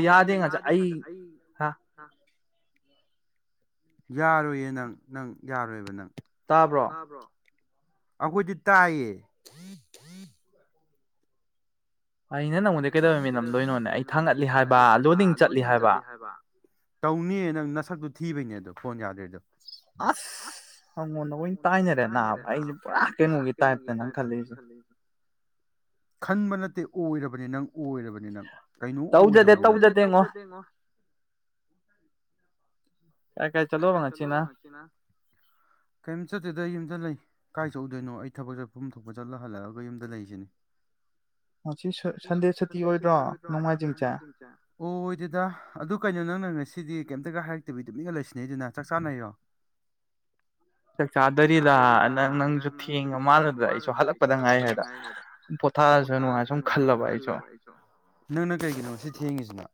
ꯑꯩꯉꯣꯟꯗ ꯌꯥꯗꯦ ꯉ ꯑꯩ ꯅ ꯌꯥꯔꯣꯏꯌꯦ ꯅꯪ ꯅꯪ ꯌꯥꯔꯣꯏꯕ ꯅꯪ ꯇꯥꯕ꯭ꯔꯣ ꯑꯩꯈꯣꯏꯗꯤ ꯇꯥꯏꯌꯦ ꯑꯩꯅ ꯅꯪ ꯀꯩꯗ ꯇꯝꯗꯣꯏꯅꯣꯅꯦ ꯑꯩ ꯊꯥꯡꯒꯠꯂꯤ ꯍꯥꯏꯕ ꯂꯣꯗꯤꯡ ꯆꯠꯂꯤ ꯍꯥꯏꯕ ꯇꯧꯅꯤꯌꯦ ꯅꯪ ꯅꯁꯛꯇꯣ ꯊꯤꯕꯩꯅꯦ ꯑꯗꯣ ꯐꯣꯟ ꯌꯥꯗꯔ꯭ꯤ ꯑꯁ ꯑꯩꯉꯣꯟꯗ ꯂꯣꯏ ꯇꯥꯏꯅꯔꯦ ꯅꯥꯕ ꯑꯩꯅ ꯄꯨꯔꯥ ꯀꯩꯅꯣꯒꯤ ꯇꯥꯏꯞꯇ ꯈꯜꯂꯦ ꯈꯟꯕ ꯅꯠꯇꯦ ꯑꯣꯏꯔ [unintelligible] ꯅꯪ ꯑꯣꯏꯔꯕꯅꯦ ꯅꯦ ꯅꯪ ꯀꯩꯅꯣ ꯑꯣꯏꯔꯕꯅꯦ ꯅꯪ ꯇꯧꯖꯗꯦ ꯇꯧꯖꯗꯦ ꯉꯣ [unintelligible] ꯀꯔꯤꯝ ꯆꯠꯇꯦꯗ ꯑꯩ ꯌꯨꯝꯗ ꯂꯩ ꯀꯥꯏ ꯆꯧꯗꯣꯏꯅꯣ ꯑꯩ ꯊꯕꯛ ꯆꯠꯐꯝ ꯊꯣꯛꯄ ꯆꯠꯂ ꯍꯜꯂꯛꯑꯒ ꯌꯨꯝꯗ ꯂꯩꯔꯤꯁꯤꯅꯤ ꯁꯟꯗꯦ ꯁꯨꯇꯤ ꯑꯣꯏꯗ꯭ꯔꯣ ꯅꯣꯡꯃꯥꯏꯖꯤꯡꯖꯦ ꯑꯣ ꯑꯣꯏꯗꯦꯗ ꯑꯗꯨ ꯀꯩꯅꯣ ꯅꯪꯅ ꯉꯁꯤ ꯁꯤꯗꯤ ꯀꯩꯝꯇꯒ ꯍꯥꯏꯔꯛꯇꯕꯤ ꯇꯨꯃꯤꯟꯒ ꯂꯩꯁꯟ ꯗꯨꯅ ꯆꯥꯛ ꯆꯥꯅꯩꯔꯣ ꯆꯥꯛ ꯆꯥꯗꯔꯤꯔ ꯅꯪ ꯅꯪꯁꯨ ꯊꯦꯡꯉ ꯃꯥꯜꯂꯗ ꯑꯩꯁꯨ ꯍꯜꯂꯛꯄꯗ ꯉꯥꯏ ꯍꯥꯏꯗ ꯄꯣꯊꯥꯔꯁꯅꯨ ꯍꯥꯏ ꯈꯜꯂꯕ ꯑꯩꯁꯨ ꯅꯪꯅ ꯀꯩꯒꯤꯅꯣ ꯉꯁꯤ ꯊꯦꯡꯉꯤꯁꯤꯅ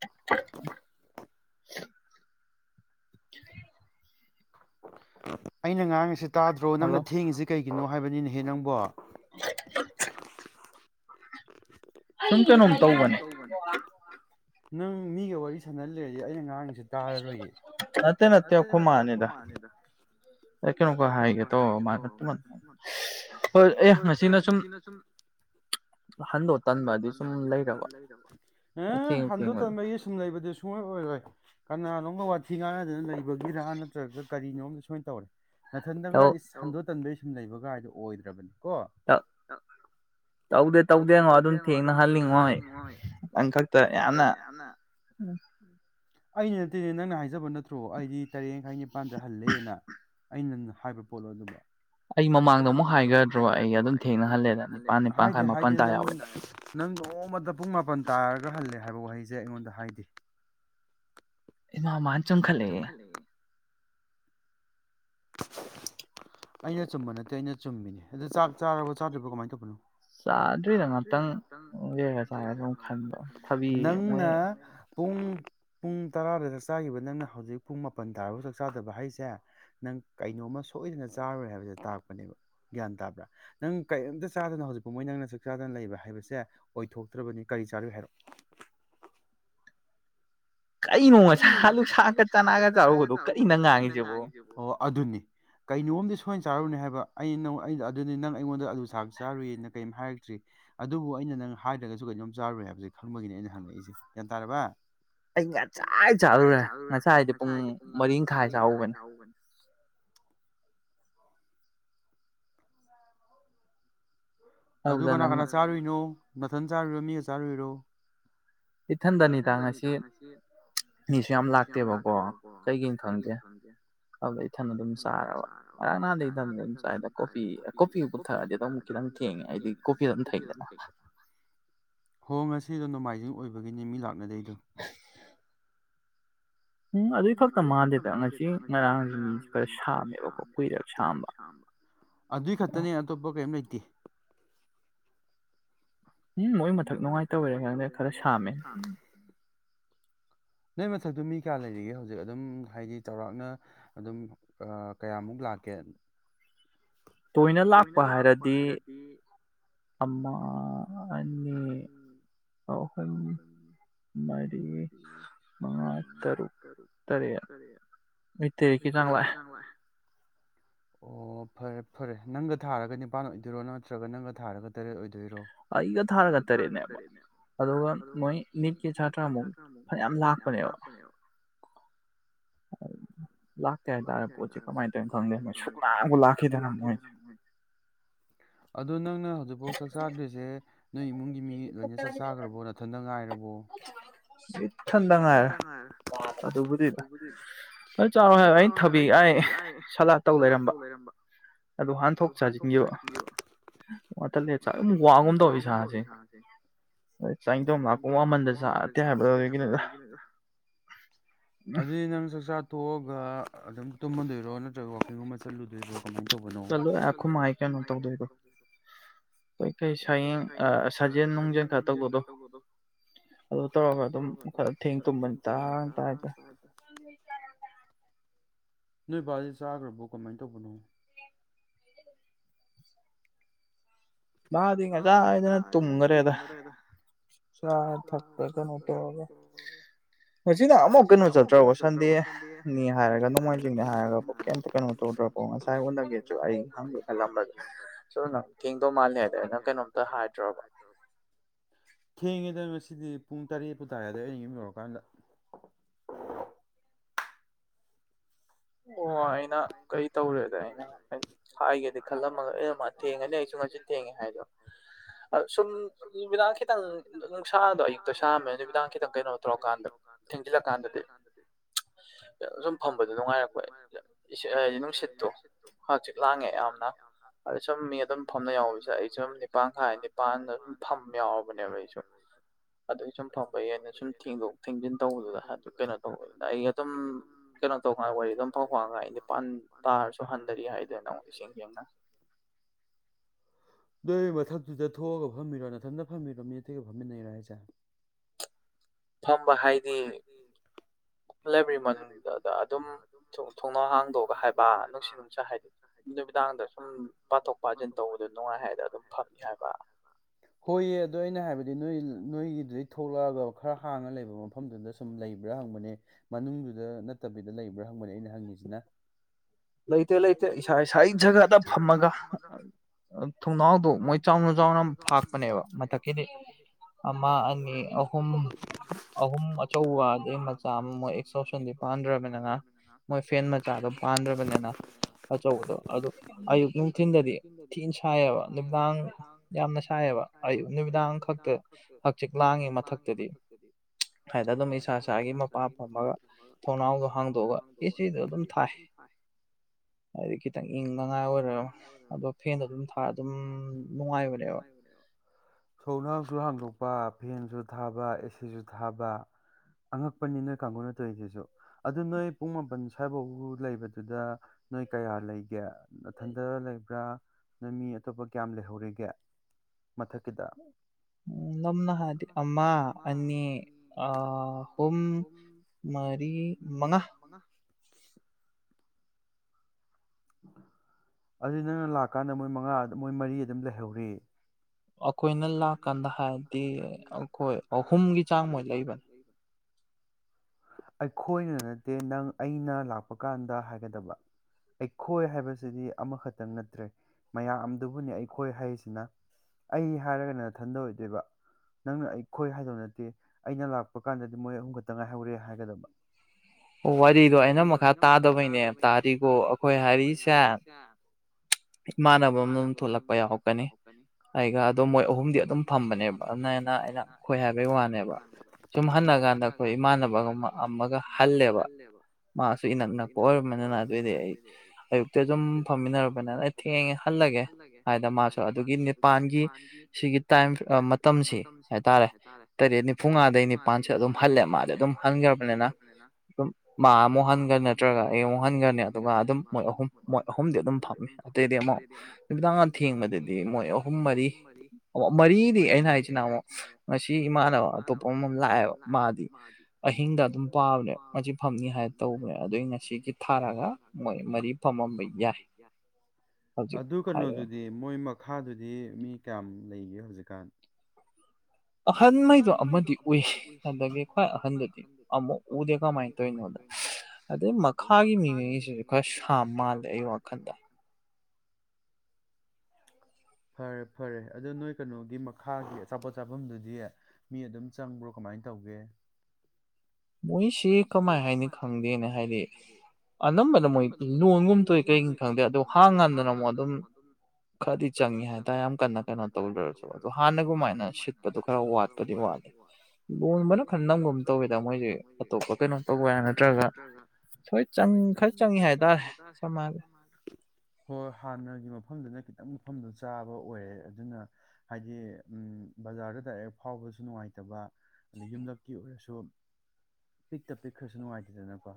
[inaudible] [inaudible] ꯑꯩꯅ ꯉꯥꯡꯉꯤꯁꯦ ꯇꯥꯗ꯭ꯔꯣ ꯅꯪꯅ ꯊꯦꯡꯉꯤꯁꯤ ꯀꯩ ꯀꯩꯅꯣ ꯍꯥꯏꯕꯅꯤꯅꯦꯍꯦ ꯅꯪꯕꯣ ꯁꯨꯝ ꯀꯩꯅꯣꯝ ꯇꯧꯕꯅꯦ ꯅꯪ ꯃꯤꯒ ꯋꯥꯔꯤ ꯁꯥꯟꯅ ꯂꯩꯔꯗꯤ ꯑꯩꯅ ꯉꯥꯡꯉꯤꯁꯦ ꯇꯥꯔꯔꯣꯏꯌꯦ ꯅꯠꯇꯦꯗ ꯅꯠꯇꯦ ꯑꯩꯈꯣꯏ ꯃꯥꯅꯤꯗ ꯑꯩ ꯀꯩꯅꯣꯝꯈꯛꯍꯥꯏꯒꯦ ꯇꯧꯕ ꯃꯥ ꯍꯣꯏ ꯑꯦ ꯃꯁꯤꯅ ꯁꯨꯝ ꯍꯗ ꯍꯟꯗꯣ ꯇꯟꯕꯒꯤ ꯁꯨꯝ ꯂꯩ ꯂꯩꯕꯗꯨ ꯁꯨꯡꯑꯣꯏ ꯑꯣꯏꯔꯣꯏ ꯀꯅꯥꯅꯣꯝꯒ ꯋꯥꯊꯤ ꯉꯥꯡꯅꯗꯅ ꯂꯩ [unintelligible] ꯅꯠꯇ꯭ꯔꯁꯨ ꯀꯔꯤꯅꯣꯝꯗꯤ ꯁꯣꯏꯟ ꯇꯧꯔꯦ ꯅꯥꯊꯟꯗꯒ ꯏꯁ ꯍꯧꯗꯣ ꯇꯟꯗꯣꯏ ꯁꯨꯝ ꯂꯩꯕꯒꯥꯏꯗꯣ ꯑꯣꯏꯗ꯭ꯔꯕꯅꯤ [inaudible] ꯇꯧꯗꯦ ꯇꯧꯗꯦꯉꯣ ꯑꯗꯨꯝ ꯊꯦꯡꯅ ꯍꯥꯏ ꯊꯦꯡꯅꯍꯜꯂꯤꯉꯣꯏ ꯑꯪꯈꯛꯇ ꯌꯥꯝꯅ ꯑꯩꯅ ꯅꯠꯇꯦꯅꯦ ꯅꯪꯅ ꯍꯥꯏꯖꯕ ꯅꯠꯇ꯭ꯔꯣ ꯑꯩꯗꯤ ꯇꯔꯦꯠ ꯈꯥꯏ ꯅꯤꯄꯥꯟꯗ ꯍꯜꯂꯦꯅ ꯑꯩꯅ ꯍꯥꯏꯕ ꯄꯣꯠꯂꯣ ꯑꯗꯨꯕꯣ ꯑꯩ ꯃꯃꯥꯡꯗ ꯑꯃꯨꯛ ꯍꯥꯏꯒꯗ꯭ꯔꯣ ꯑꯩ ꯑꯗꯨꯝ ꯊꯦꯡꯅ ꯍꯜꯂꯦꯅ ꯅꯤꯄꯥꯜ ꯅꯤꯄꯥꯟꯈꯥꯏ ꯃꯥꯄꯜ ꯇꯥ ꯌꯥꯎꯋꯦꯗ ꯅꯪ ꯅꯣꯡꯃꯇ ꯄꯨꯡ ꯃꯥꯄꯜ ꯇꯥꯔꯒ ꯍꯜꯂꯦ ꯍꯥꯏꯕ ꯋꯥꯍꯩꯖꯦ ꯑꯩꯉꯣꯟꯗ ꯍꯥꯏꯗꯦ ꯏꯃ ꯃꯥꯟ ꯆꯨꯝꯈꯂꯛꯑꯦ [inaudible] ꯑꯩꯅ ꯆꯨꯝꯕ ꯅꯠꯇꯦ ꯑꯩꯅ ꯆꯨꯝꯃꯤꯅꯦ ꯑꯗꯣ ꯆꯥꯛ ꯆꯥꯔꯕ ꯆꯥꯗ꯭ꯔꯤꯕꯣ ꯀꯃꯥꯏꯅ ꯇꯧꯕꯅꯣ ꯆꯥꯗ꯭ꯔꯤꯗ ꯉꯥꯛꯇꯪ [unintelligible] ꯈꯟꯕ ꯊꯕꯤ ꯃꯣꯏ ꯄꯨꯡ ꯄꯨꯡ ꯇꯔꯥꯗ ꯆꯥꯛ ꯆꯥꯈꯤꯕ ꯅꯪꯅ ꯍꯧꯖꯤꯛ ꯄꯨꯡ ꯃꯥꯄꯜ ꯇꯥꯐꯥꯎ ꯆꯥꯛ ꯆꯥꯗꯕ ꯍꯥꯏꯁꯦ ꯅꯪ ꯀꯩꯅꯣꯝꯃ ꯁꯣꯏꯗꯅ ꯆꯥꯔꯨꯔꯦ ꯍꯥꯏꯕꯁꯦ ꯇꯥꯛꯄꯅꯦꯕ ꯒ꯭ꯌꯥꯟ ꯇꯥꯕ꯭ꯔꯥ ꯅꯪ ꯀꯔꯤꯝꯇ ꯆꯥꯗꯅ ꯍꯧꯖꯤꯛꯐꯥꯎ ꯃꯣꯏ ꯅꯪꯅ ꯆꯥꯛ ꯆꯥꯗꯅ ꯂꯩꯕ ꯍꯥꯏꯕꯁꯦ ꯑꯣꯏꯊꯣꯛꯇ꯭ꯔꯕꯅꯤ ꯀꯔꯤ ꯆꯥꯔꯨꯏ ꯍꯥꯏꯔꯛꯑꯣ ꯀꯩꯅꯣ ꯉꯁꯥꯏ ꯑꯂꯨꯁꯥꯛꯀ ꯆꯅꯥꯒ ꯆꯥꯔꯨꯕꯗꯣ ꯀꯩꯅ ꯉꯥꯡꯉꯁꯤꯕꯣ ꯑꯗꯨꯅꯤ ꯀꯩꯅꯣꯝꯗꯤ ꯁꯣꯏ ꯁꯣꯏꯅ ꯆꯥꯔꯨꯅꯦ ꯍꯥꯏꯕ ꯑꯩ ꯅ ꯑꯩꯅ ꯑꯗꯨꯅꯤ ꯅꯪ ꯑꯩꯉꯣꯟꯗ ꯑꯂꯨꯁꯥꯛ ꯆꯥꯔꯨꯏꯅ ꯀꯦꯝ ꯍꯥꯏꯔꯛꯇ꯭ꯔꯤ ꯑꯗꯨꯕꯨ ꯑꯩꯅ ꯅꯪ ꯍꯥꯏꯗ꯭ꯔꯒꯁꯨ ꯀꯩꯅꯣꯝ ꯆꯥꯔꯨꯔꯦ ꯍꯥꯏꯕꯁꯦ ꯈꯪꯕꯒꯤꯅꯦ ꯑꯩꯅ ꯍꯪꯉꯛꯏꯁꯦ ꯒ꯭ꯌꯥꯟ ꯇꯥꯔꯕ ꯑꯩ ꯉꯁꯥꯏ ꯆꯥꯂꯨꯔꯦ ꯉꯁꯥꯏ ꯗꯤ ꯄꯨꯡ ꯃꯔꯤꯈꯥꯏ ꯆꯥꯎꯕꯅꯦ ꯑꯗꯨ ꯀꯅꯥ ꯀꯅꯥ ꯆꯥꯔꯨꯏꯅꯣ ꯅꯊꯟ ꯆꯥꯔꯨꯏꯔꯣ ꯃꯤꯒ ꯆꯥꯔꯨꯨꯏꯔꯣ ꯏꯊꯟꯗꯅꯤꯗꯥꯥ ꯉꯁꯤ ꯃꯤꯁꯨ ꯌꯥꯝ ꯂꯥꯛꯇꯦꯕꯀꯣ ꯀꯩꯒꯤꯅꯣ ꯈꯪꯗꯦ ꯑꯗꯨꯗ ꯏꯊꯟꯗ ꯑꯗꯨꯝ ꯆꯥꯔꯕ ꯉꯔꯥꯡ ꯅꯍꯥꯟꯗꯩ ꯏꯊꯟꯗ ꯑꯗꯨꯝ ꯆꯥꯏꯗ ꯀꯣꯐꯄꯤ ꯀꯣꯐꯄꯤ ꯑꯝꯊꯛꯑꯗꯤ ꯑꯗꯨꯣ ꯑꯃꯨꯛ ꯈꯤꯇꯪ ꯍꯣ ꯉꯁꯤꯗꯣ ꯅꯨꯡꯃꯥꯏ ꯑꯣꯏꯕꯒꯤꯅꯤ ꯃꯤ ꯂꯥꯛ ꯃꯗꯩꯗꯣ ꯎꯝ ꯑꯗꯨꯏ ꯈꯛꯇ ꯃꯥꯟꯗꯦꯗ ꯉꯁꯤ ꯉꯔꯥꯡꯖꯦ ꯃꯤ ꯈꯔ ꯁꯥꯝꯃꯦꯕꯀꯣ ꯀꯨꯏꯔꯦꯕ ꯁꯥꯝꯕ ꯑꯗꯨꯏ ꯈꯛꯇꯅꯦ ꯑꯇꯣꯞꯄ ꯀꯔꯤꯝ ꯂꯩꯇꯦ ꯎꯝ ꯃꯣꯏ ꯃꯊꯛ ꯅꯨꯡꯉꯥꯏꯇꯕꯩꯔ ꯈꯪꯗꯦ ꯈꯔ ꯁꯥꯝꯃꯦ ꯅꯣꯏ ꯃꯊꯛꯇꯨ ꯃꯤ ꯀꯌꯥ ꯂꯩꯔꯤꯒꯦ ꯍꯧꯖꯤꯛ ꯑꯗꯨꯝ ꯍꯥꯏꯗꯤ ꯆꯥꯎꯔꯥꯛꯅ ꯑꯗꯨꯝ ꯀꯌꯥꯃꯨꯛ ꯂꯥꯛꯀꯦ ꯇꯣꯏꯅ ꯂꯥꯛꯄ ꯍꯥꯏꯔꯗꯤ ꯑꯃ ꯑꯅꯤ ꯑꯍꯨꯝ ꯃꯔꯤ ꯃꯉꯥ ꯇꯔꯨꯛ ꯇꯔꯦꯠ ꯃꯤ ꯇꯔꯦꯠꯀꯤꯇꯥꯡ ꯂꯥꯛꯑꯦ ꯑꯣ ꯐꯔꯦ ꯐꯔꯦ ꯅꯪꯒ ꯊꯥꯔꯒ ꯅꯤꯄꯥꯥꯟ ꯑꯣꯏꯗꯣꯏꯔꯣ ꯅꯠꯇ꯭ꯔꯒ ꯅꯪꯒ ꯊꯥꯔꯒ ꯇꯔꯦꯠ ꯑꯣꯏꯗꯣꯏ ꯑꯩꯒ ꯊꯥꯔꯒ ꯇꯔꯦꯠꯅꯦꯕ ꯑꯗꯨꯒ ꯃꯣꯏ ꯅꯤꯠꯀꯤ ꯁꯥꯇ꯭ꯔꯃꯨꯛ ꯐꯅꯌꯥꯝ ꯂꯥꯛꯄꯅꯦꯕ ꯍꯥꯏ ꯂꯥꯛꯇꯦ ꯍꯥꯏ ꯇꯥꯔꯦ ꯄꯣꯠꯁꯦ ꯀꯃꯥꯏ ꯇꯧꯏꯅꯣ ꯈꯪꯗꯦ ꯃꯣꯏ ꯁꯨꯛꯂꯥꯡ ꯂꯥꯛ ꯂꯥꯛꯄꯨ ꯂꯥꯛꯈꯤꯗ꯭ꯔ ꯃꯣꯏꯁꯦ ꯑꯗꯨ ꯅꯪ ꯅꯪꯅ ꯍꯧꯖꯤꯛꯐꯥꯎ ꯆꯥꯛ ꯆꯥꯗ꯭ꯔꯤꯁꯦ ꯅꯣꯏ ꯏꯃꯨꯡꯒꯤ ꯃꯤ ꯂꯣꯏꯅ ꯆꯥꯛ ꯆꯥꯒ꯭ꯔꯥꯕꯣ ꯅꯥꯊꯟꯗ ꯉꯥꯏꯔ ꯏꯊꯟꯗ ꯉꯥꯏꯔꯦ ꯑꯗꯨꯕꯨꯗꯤꯗ ꯑꯩ ꯆꯥꯔꯣꯢ ꯍꯥꯏ ꯑꯩꯅ ꯊꯕꯤ ꯑꯩ ꯁꯂꯥꯠ ꯇꯧ ꯂꯩꯔꯝꯕ ꯑꯗꯨ ꯍꯟꯊꯣꯛ ꯆꯥꯁꯤꯟꯅꯤꯕ ꯋꯥꯊꯠꯂꯦ ꯢꯁꯥꯁꯦ ꯑꯗꯨꯝ ꯋꯥꯒꯨꯝ ꯇꯧꯋꯦ ꯢꯁꯥꯥꯁꯦ ꯆꯥꯅꯤꯡꯗꯥ ꯂꯥꯛ ꯋꯥꯃꯟꯗ ꯆꯥꯗꯦ ꯍꯥꯏꯕ ꯑꯗꯨꯗꯤ ꯅꯪ ꯆꯥꯛꯆꯥ ꯇꯣꯛꯑꯒ ꯑꯗꯨꯝ ꯇꯨꯝꯃꯥꯗꯣꯏꯔꯣ ꯅꯠ ꯅꯠꯇ꯭ꯔꯥꯒ ꯋꯥꯀꯤꯡ ꯑꯃ ꯆꯠꯂꯨꯗꯣꯢꯔꯣ ꯑꯝ ꯇꯧꯕꯅꯣ ꯆꯂꯦ ꯑꯈꯣꯏꯃꯥ ꯍꯣꯏ ꯇꯧꯕꯗꯣ ꯁꯌꯦꯡ ꯁꯥꯖꯦꯜ ꯅꯨꯡꯖꯦꯜ ꯈꯔ ꯇꯧꯕꯗꯣ ꯑꯗꯨ ꯇꯧꯔꯒ ꯑꯗꯨꯝꯔ ꯊꯦꯡ ꯇꯨꯝꯕꯅꯦ ꯇꯥꯔꯥ ꯃꯋꯥꯏꯗꯥ ꯅꯣꯏ ꯕꯥꯗꯤ ꯆꯥꯈ꯭ꯔꯕꯣ ꯀꯃꯥꯏꯅ ꯇꯧꯕꯅꯣ ꯃꯥꯗꯤ ꯉꯁꯥꯏꯅ ꯇꯨꯝꯈꯔꯦꯗ ꯆꯥ ꯊꯛꯄ ꯀꯩꯅꯣ ꯇꯧꯔꯒ ꯉꯁꯤꯅꯥ ꯑꯃꯨꯛ ꯀꯩꯅꯣ ꯆꯠꯇ꯭ꯔꯥꯕꯣ ꯁꯟꯗꯦꯅꯤ ꯍꯥꯏꯔꯒ ꯅꯣꯡꯃꯥꯏꯖꯤꯡꯅꯤ ꯍꯥꯏꯔꯒ ꯀꯦꯝꯇ ꯀꯩꯅꯣ ꯇꯧꯗ꯭ꯔꯕꯣ ꯉꯁꯥꯏ ꯍꯣꯟꯅꯒꯦꯁꯨ ꯑꯩ ꯍꯪꯡꯒꯦ ꯈꯜꯂꯝꯕꯅꯦ ꯁꯨꯛ ꯄꯥꯜꯂꯦ ꯊꯦꯡꯉꯦꯗꯥ ꯉꯥꯁꯤ ꯁꯤꯗꯤ ꯄꯨꯡ ꯇꯔꯦꯠꯄꯨ ꯇꯥꯔꯦꯗ ꯑꯩꯅ ꯌꯨꯝ ꯌꯧꯔꯛꯀꯥꯟꯗ ꯑꯣ ꯑꯩꯅ ꯀꯩ ꯇꯧꯔꯦꯗ ꯑꯩꯅ ꯍꯥꯏꯒꯦꯗꯤ ꯈꯜꯂꯝꯃꯥꯒ ꯑꯩꯅ ꯃꯥ ꯊꯦꯡꯉꯅꯤ ꯑꯩꯁꯨ ꯉꯁꯤ ꯊꯦꯡꯉꯦ ꯍꯥꯏꯗꯣ ꯑꯗꯣ ꯁꯨꯝ ꯅꯨꯃꯤꯗꯥꯡ ꯈꯥꯇꯪ ꯅꯨꯡꯁꯥꯗꯣ ꯑꯌꯨꯛꯇ ꯁꯥꯝꯃꯦ ꯅꯨꯃꯤꯗꯥꯡ ꯈꯤꯇꯪ ꯀꯩꯅꯣ ꯇꯧꯔꯀꯥꯟꯗ ꯊꯦꯡꯖꯤꯜꯂꯀꯥꯟꯗꯗꯤ ꯁꯨꯝ ꯐꯝꯕꯗꯣ ꯅꯨꯡꯉꯥꯏꯔꯛ ꯁꯥꯢꯗꯤ ꯅꯨꯡꯁꯤꯠꯇꯣ ꯍꯥꯡꯆꯤꯠ ꯂꯥꯡꯉꯦ ꯌꯥꯝꯅ ꯑꯗꯨ ꯁꯨꯝ ꯃꯤ ꯑꯗꯨꯝ ꯐꯝꯃꯦ ꯌꯥꯎꯕꯁꯦ ꯑꯩꯁꯦ ꯁꯨꯝ ꯅꯤꯄꯥꯟꯈꯥꯏ ꯅꯤꯄꯥꯟꯗ ꯑꯗꯨꯝ ꯐꯝ ꯌꯥꯎꯕꯅꯦꯕ ꯑꯩ ꯁ ꯑꯗꯨ ꯁꯨꯝ ꯐꯝꯃꯦ ꯑꯗꯨ ꯁꯨꯝ ꯊꯦꯡꯗꯣꯛ ꯊꯦꯡꯖꯤꯟ ꯇꯧꯕꯗꯨꯒ ꯀꯩꯅꯣ ꯇꯧ ꯑꯩ ꯑꯗꯨꯝ ꯀꯩꯅꯣ ꯇꯧꯕ ꯋꯥꯔꯤꯗꯨꯝ ꯅꯤꯄꯥꯟ ꯇꯥꯔꯁꯨ ꯍꯟꯗ꯭ꯔꯤ ꯍꯥꯏꯗꯣꯏꯅꯣ ꯏꯁꯤꯡ ꯌꯦꯡꯅ ꯅꯣꯏ ꯃꯊꯛꯇꯨꯗ ꯊꯣꯛꯑꯒ ꯐꯝꯃꯤꯔꯣ ꯅꯊꯟꯇ ꯐꯝꯃꯤꯔꯣ ꯃꯤ ꯑꯇꯩꯒ ꯐꯝꯃꯤꯟꯅꯩꯔꯣ ꯍꯥꯏꯁꯦ [unintelligible] ꯍꯣꯏꯌꯦ ꯑꯗꯣ ꯑꯩꯅ ꯍꯥꯏꯕꯗꯤ ꯅꯣꯏ ꯅꯣꯏꯒꯤꯗꯨꯗꯩ ꯊꯣꯛꯂꯛꯑꯒ ꯈꯔ ꯍꯥꯡꯉ ꯂꯩꯕ ꯃꯐꯝꯗꯨꯗ ꯁꯨꯝ ꯂꯩꯕ꯭ꯔꯥ ꯍꯪꯕꯅꯦ ꯃꯅꯨꯡꯗꯨꯗ ꯅꯠꯇꯕꯤꯗ ꯂꯩꯕ꯭ꯔꯥ ꯍꯪꯕꯅꯦ ꯑꯩꯅ ꯍꯪꯉꯤꯁꯤꯅ ꯂꯩꯇꯦ ꯂꯩꯇꯦ ꯏꯁꯥ ꯏꯁꯥꯒꯤ ꯖꯒꯥꯗ ꯐꯝꯃꯒ ꯊꯣꯡꯅꯥꯎꯗꯣ ꯃꯣꯏ ꯆꯥꯎꯅ ꯆꯥꯎꯅ ꯐꯥꯛꯄꯅꯦꯕ ꯃꯊꯛꯀꯤꯗꯤ ꯑꯃ ꯑꯅꯤ ꯑꯍꯨꯝ ꯑꯍꯨꯝ ꯑꯆꯧꯕ ꯑꯗꯩ ꯃꯆꯥ ꯑꯃ ꯃꯣꯏ ꯑꯦꯛ ꯁꯣꯔ ꯁꯟꯗꯤ ꯄꯥꯟꯗ꯭ꯔꯕꯅꯤꯅ ꯃꯣꯏ ꯐꯦꯟ ꯃꯆꯥꯗꯣ ꯄꯥꯟ ꯅꯤꯅ ꯑꯆꯧꯕꯗꯣ ꯑꯗꯨ ꯑꯌꯨꯛ ꯅꯨꯡꯊꯤꯜꯗꯗꯤ ꯊꯤ ꯁꯥꯏꯌꯦꯕ ꯅꯨꯃꯤꯗꯥꯡ ꯌꯥꯝꯅ ꯁꯥꯏꯌꯦꯕ ꯑꯌꯨꯛ ꯅꯨꯃꯤꯗꯥꯡ ꯈꯛꯇ ꯍꯛꯆꯤꯛ ꯂꯥꯡꯉꯤ ꯃꯊꯛꯇꯗꯤ ꯍꯥꯏꯗ ꯑꯗꯨꯝ ꯏꯁꯥ ꯏꯁꯥꯒꯤ ꯃꯄꯥ ꯐꯝꯃꯒ ꯊꯣꯡꯅꯥꯎꯗꯣ ꯍꯥꯡꯗꯣꯛꯑꯒ ꯑꯦꯁꯤꯁꯨ ꯑꯗꯨꯝ ꯊꯥꯏ ꯊꯧꯅꯥꯎꯁꯨ ꯍꯥꯡꯗꯣꯛꯄ ꯐꯦꯟꯁꯨ ꯊꯥꯕ ꯑꯦꯁꯤꯁꯨ ꯊꯥꯕ ꯑꯉꯛꯄꯅꯤ ꯅꯣꯏ ꯀꯥꯡꯒꯨꯅ ꯇꯧꯔꯤꯁꯤꯁꯨ ꯑꯗꯨ ꯅꯣꯏ ꯄꯨꯡ ꯃꯥꯄꯜ ꯁ꯭ꯋꯥꯏꯐꯥꯎ ꯂꯩꯕꯗꯨꯗ ꯅꯣꯏ ꯀꯌꯥ ꯂꯩꯒꯦ ꯅꯥꯊꯟꯗ ꯂꯩꯕ꯭ꯔꯥ ꯅꯣꯏ ꯃꯤ ꯑꯇꯣꯞꯄ ꯀꯌꯥꯝ ꯂꯩꯍꯧꯔꯤꯒꯦ ꯅꯝꯅ ꯍꯥꯢꯗꯤ ꯑꯃ ꯑꯅꯤ ꯑ ꯑꯍꯨꯝ ꯃꯔꯤ ꯃꯉꯥ ꯑꯗꯨ ꯅꯪꯅ ꯂꯥꯛꯀꯥꯟꯗ ꯃꯣꯏ ꯃꯉꯥ ꯃꯣꯏ ꯃꯔꯤ ꯑꯗꯨꯝ ꯂꯩꯍꯧꯔꯤ ꯑꯩꯈꯣꯏꯅ ꯂꯥꯛꯀꯥꯟꯗ ꯍꯥꯏꯔꯗꯤ ꯑꯩꯈꯣꯏ ꯑꯍꯨꯝꯒꯤ ꯆꯥꯡ ꯃꯣꯏ ꯂꯩꯕꯅꯦ ꯑꯩꯈꯣꯏꯅ ꯅꯠꯇꯦ ꯅꯪ ꯑꯩꯅ ꯂꯥꯛꯄ ꯀꯥꯟꯗ ꯍꯥꯏꯒꯗꯕ ꯑꯩꯈꯣꯏ ꯍꯥꯏꯕꯁꯤꯗꯤ ꯑꯃꯈꯛꯇꯪ ꯅꯠꯇ꯭ꯔꯦ ꯃꯌꯥꯝꯗꯨꯕꯨꯅꯤ ꯑꯩꯈꯣꯏ ꯍꯥꯏꯔꯤꯁꯤꯅ ꯑꯩ ꯍꯥꯏꯔꯒꯅꯦ ꯅꯊꯟꯗ ꯑꯣꯏꯗꯣꯏꯕ ꯅꯪꯅ ꯑꯩꯈꯣꯏ ꯍꯥꯏꯗꯧ ꯅꯠꯇꯦ ꯑꯩꯅ ꯂꯥꯛꯄ ꯀꯥꯟꯗꯗꯤ ꯃꯣꯏ ꯑꯍꯨꯝ ꯈꯛꯇ ꯉꯥꯏꯍꯧꯔꯦ ꯍꯥꯏꯒꯗꯕ ꯑꯣ ꯋꯥꯔꯤꯗꯣ ꯑꯩꯅ ꯃꯈꯥ ꯇꯥꯗꯕꯩꯅꯦ ꯇꯥꯔꯤꯒꯣ ꯑꯩꯈꯣꯏ ꯍꯥꯏꯔꯤꯁꯦ ꯏꯃꯥꯟꯅꯕ ꯑꯝꯅ ꯑꯗꯨꯝ ꯊꯣꯛꯂꯛꯄ ꯌꯥꯎꯔꯛꯀꯅꯤ ꯑꯩꯒ ꯑꯩꯒ ꯑꯗꯨ ꯃꯣꯏ ꯑꯍꯨꯝꯗꯤ ꯑꯗꯨꯝ ꯐꯝꯕꯅꯦꯕ ꯑꯗꯨꯅ ꯑꯩꯅ ꯑꯩꯅ ꯑꯩꯅ [unintelligible] ꯑꯗꯨ ꯍꯪꯅ ꯀꯥꯟꯗ ꯑꯩꯈꯣꯏ ꯏꯃꯥꯟꯅꯕ ꯑꯃꯒ ꯍꯜꯂꯦꯕ ꯃꯥꯁꯦ ꯏꯅꯛ ꯅꯛꯄ ꯑꯣꯏꯔꯝꯅꯤꯅ ꯑꯗꯩꯩꯗꯤ ꯑꯌꯨꯛꯇ ꯑꯗꯨꯝ ꯐꯝꯃꯤꯟꯅꯔ ꯊꯦꯡꯉꯦ ꯍꯜꯂꯒꯦ ꯍꯥꯏꯗ ꯃꯥꯁꯨ ꯑꯗꯨꯒꯤ ꯅꯤꯄꯥꯥꯟꯒꯤ ꯥꯑꯩꯒꯤ ꯁꯤꯒꯤ ꯇꯥꯏꯝ ꯃꯇꯝꯁꯤ ꯍꯥꯏꯇꯥꯔꯦ ꯇꯔꯦꯠ ꯅꯤꯐꯨꯃꯉꯥꯗꯒꯤ ꯅꯤꯄꯥꯜꯁꯦ ꯑꯗꯨꯝ ꯍꯜꯂꯦ ꯃꯥꯗꯤ ꯑꯗꯨꯝ ꯍꯟꯈ꯭ꯔꯕꯅꯤꯅ ꯑꯗꯨꯝ ꯃꯥ ꯑꯃꯨꯛ ꯍꯟꯒꯅꯤ ꯅꯠꯇ꯭ꯔꯒ ꯑꯩ ꯑꯃꯨꯛ ꯍꯟꯒꯅꯤ ꯑꯗꯨꯒ ꯑꯗꯨꯝ ꯑꯍꯨꯝ ꯃꯣꯏ ꯑꯍꯨꯝꯗꯤ ꯑꯗꯨꯝ ꯑꯇꯩꯗꯤ ꯑꯃꯨꯛ ꯅꯨꯃꯤꯗꯥꯡ ꯊꯦꯡꯕꯗꯗꯤ ꯃꯣꯏ ꯑꯍꯨꯝ ꯃꯔꯤ ꯑꯍꯨꯝ ꯃꯔꯤ ꯀꯣ ꯃꯔꯤꯗꯤ ꯑꯩꯅ ꯍꯥꯏꯁꯤꯅ ꯑꯃꯨꯛ ꯉꯁꯤ ꯏꯃꯥꯟꯅꯕ ꯑꯇꯣꯞꯄ ꯑꯃ ꯂꯥꯛꯑꯦꯕ ꯃꯥꯗꯤ ꯑꯍꯤꯡꯗ ꯑꯗꯨꯝ ꯄꯥꯕꯅꯦ ꯉꯁꯤ ꯐꯝꯅꯤ ꯍꯥꯏ ꯇꯧꯕꯅꯦ ꯑꯗꯨꯏ ꯃꯁꯤꯒ ꯊꯥꯔꯒ ꯃꯔꯤ ꯐꯝꯃꯝꯕ ꯌꯥꯏ ꯑꯗꯨ ꯀꯩꯅꯣꯗꯨꯗꯤ ꯃꯣꯏ ꯃꯈꯥꯗꯨꯗꯤ ꯃꯤ ꯀꯌꯥꯝ ꯂꯩꯒꯦ ꯍꯧꯖꯤꯛꯀꯥꯟ ꯑꯍꯟꯃꯩꯗꯣ ꯑꯃꯗꯤ ꯎꯏ ꯑꯗꯒꯤ ꯈ꯭ꯋꯥꯏ ꯑꯍꯟꯗꯗꯤ ꯑꯃꯨꯛ ꯎꯗꯦ ꯀꯃꯥꯏꯅ ꯇꯩꯅꯣꯗ ꯑꯗꯩ ꯃꯈꯥꯒꯤ ꯃꯤꯉꯩꯁꯤꯁꯨ ꯈꯔ ꯁꯥ ꯃꯥꯜꯂꯦ ꯑꯩ ꯋꯥꯈꯟꯗ [inaudible] ꯐꯔꯦ ꯐꯔꯦ ꯑꯗꯣ ꯅꯣꯏ ꯀꯩꯅꯣꯒꯤ ꯃꯈꯥꯒꯤ ꯑꯆꯥꯄꯣꯠ ꯆꯥꯐꯝꯗꯨꯗꯤ ꯃꯤ ꯑꯗꯨꯝ ꯆꯪꯕ꯭ꯔꯣ ꯀꯃꯥꯏꯅ ꯇꯧꯒꯦ ꯃꯣꯏꯁꯤ ꯀꯃꯥꯏ ꯍꯥꯏꯅꯤ ꯈꯪꯗꯦꯅꯦ ꯍꯥꯏꯗꯤ ꯑꯅꯝꯕꯅ ꯃꯣꯏ ꯂꯣꯟꯒꯨꯝ ꯇꯧꯏ ꯀꯩꯒꯤꯅꯣ ꯈꯪꯗꯦ ꯑꯗꯣ ꯍꯥꯡ ꯀꯥꯟꯗꯅ ꯑꯃꯨꯛ ꯑꯗꯨꯝ ꯈꯔꯗꯤ ꯆꯪꯉꯤ ꯍꯥꯏꯇꯥꯔꯦ ꯌꯥꯝ ꯀꯟꯅ ꯀꯩꯅꯣ ꯇꯧꯗ꯭ꯔꯁꯨ ꯑꯗꯨꯗꯣ ꯍꯥꯟꯅꯒꯨꯝꯃꯥꯏꯅ ꯁꯤꯠꯄꯗꯣ ꯈꯔ ꯋꯥꯠꯄꯗꯤ ꯋꯥꯠꯂꯤ ꯂꯣꯟꯕꯅ ꯈꯔ ꯅꯝꯒꯨꯝ ꯇꯧꯋꯦꯗ [unintelligible] ꯃꯣꯏꯁꯦ ꯍꯣꯏ ꯍꯥꯟꯅꯒꯤ ꯃꯐꯝ ꯗꯨꯅ ꯃꯐꯝꯗ ꯆꯥꯕ ꯑꯣꯏꯔꯦ ꯑꯗꯨꯅ ꯍꯥꯏꯗꯤ ꯕꯖꯥꯔꯗ ꯗꯥꯏꯔꯦꯛ ꯐꯥꯎꯕꯁꯨ ꯅꯨꯡꯉꯥꯏꯇꯕ ꯑꯗꯩ ꯌꯨꯝꯂꯛꯀꯤ ꯑꯣꯏꯔꯁꯨ ꯄꯤꯛꯇ ꯄꯤꯛꯈ꯭ꯔꯁꯨ ꯅꯨꯡꯉꯥꯏꯇꯗꯅꯀꯣ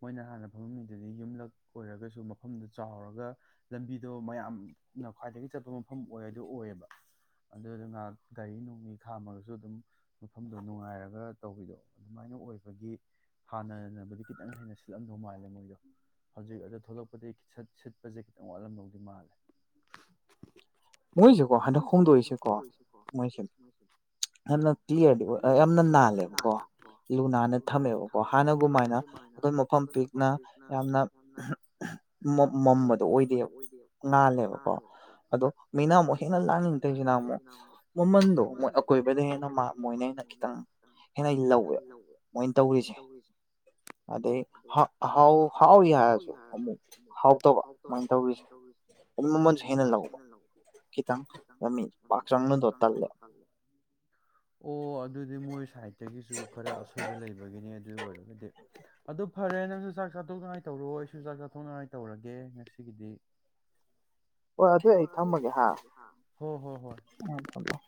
ꯃꯣꯏꯅ ꯍꯥꯟꯅ ꯐꯝꯃꯝꯃꯤꯗꯨꯗꯤ ꯌꯨꯝꯂꯛ ꯑꯣꯏꯔꯒꯁꯨ ꯃꯐꯝꯗꯣ ꯆꯥꯎꯔꯒ ꯂꯝꯕꯤꯗꯣ ꯃꯌꯥꯝꯅ ꯈ꯭ꯋꯥꯏꯗꯒꯤ ꯆꯠꯄ ꯃꯐꯝ ꯑꯣꯏꯗ ꯑꯣꯏꯌꯦꯕ ꯑꯗꯨꯗꯨꯅ ꯒꯥꯔꯤ ꯅꯨꯡꯔꯤ ꯈꯥꯝꯃꯒꯁꯨ ꯑꯗꯨꯝ ꯃꯐꯝꯗꯣ ꯅꯨꯡꯉꯥꯏꯔꯒ ꯇꯧꯕꯤꯗꯣ ꯑꯗꯨꯃꯥꯏꯅ ꯑꯣꯏꯕꯒꯤ ꯍꯥꯟꯅꯅꯕꯗꯤ ꯈꯤꯇꯪ ꯍꯦꯟꯅ ꯁꯤꯠꯂꯝꯗꯧ ꯃꯥꯜꯂꯦ ꯃꯣꯏꯗꯣ ꯍꯧꯖꯤꯛ ꯑꯗꯣ ꯊꯣꯛꯂꯛꯄꯗꯒꯤ ꯀꯤꯁꯥ- ꯁꯤꯠ- ꯁꯤꯠꯄꯁꯦ ꯈꯤꯇꯪ ꯋꯥꯠꯂꯝꯗꯧꯗꯤ ꯃꯥꯜꯂꯦ ꯃꯣꯏꯁꯦꯀꯣ ꯍꯟꯗꯛ ꯍꯣꯡꯗꯣꯔꯤꯁꯦꯀꯣ ꯃꯣꯏꯁꯦ ꯌꯥꯝꯅ ꯀ꯭ꯂꯤꯌꯥꯔꯗꯤ ꯑꯣ ꯌꯥꯝꯅ ꯅꯥꯜꯂꯦꯕꯀꯣ ꯂꯨ ꯅꯥꯟꯅ ꯊꯝꯃꯦꯕꯀꯣ ꯍꯥꯟꯅꯒꯨꯝꯃꯥꯏꯅ ꯑꯩꯈꯣꯏ ꯃꯐꯝ ꯄꯤꯛꯅ ꯌꯥꯝꯅ [inaudible] ꯃꯝꯕꯗꯣ ꯑꯣꯏꯗꯦꯕ ꯉꯥꯜꯂꯦꯕꯀꯣ ꯑꯗꯣ ꯃꯤꯅꯥ ꯃꯣꯏ ꯍꯦꯟꯅ ꯂꯥꯛꯅꯤꯡꯗꯣꯏꯁꯤꯅ ꯑꯃꯨꯛ ꯃꯃꯟꯗꯣ ꯃꯣꯏ ꯑꯀꯣꯏꯕꯗꯩꯩ ꯍꯦꯟꯅ ꯃ ꯃꯣꯏꯅ ꯍꯦꯟꯅ ꯈꯤꯇꯪ ꯍꯦꯟꯅ ꯂꯧꯋꯦ ꯃꯣꯏꯅ ꯇꯧꯔꯤꯁꯦ ꯑꯗꯩ ꯍꯥ ꯍꯥꯎ ꯍꯥꯎꯋꯤ ꯍꯥꯏꯔꯁꯨ ꯑꯃꯨꯛ ꯍꯥꯎꯇꯕ ꯃꯣꯏ ꯇꯧꯔꯤꯁꯦ ꯃꯃꯜꯁꯨ ꯍꯦꯟꯅ ꯂꯧꯕ [unintelligible] ꯑꯣ ꯑꯗꯨꯗꯤ ꯃꯣꯏ ꯁꯥꯏꯠꯇꯒꯤꯁꯨ ꯈꯔ ꯑꯁꯣꯏꯕ ꯂꯩꯕꯒꯤꯅꯦ ꯑꯗꯨ ꯑꯣꯏꯔꯒꯗꯤ ꯑꯗꯨ ꯐꯔꯦ ꯅꯪꯁꯨ ꯆꯥꯛ ꯆꯥꯊꯣꯛꯅꯤꯡꯉꯥꯏ ꯇꯧꯔꯣ ꯑꯩꯁꯨ ꯆꯥꯛ ꯆꯥꯊꯣꯛꯅꯤꯡꯉꯥꯏ ꯇꯧꯔꯒꯦ ꯉꯁꯤꯒꯤꯗꯤ ꯍꯣꯏ ꯑꯗꯨ ꯑꯩ ꯊꯝꯃꯒꯦ ꯍꯥꯥ ꯑ ꯊꯝ ꯊꯝ